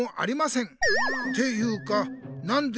ていうかなんで